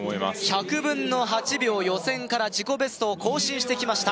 １００分の８秒予選から自己ベストを更新してきました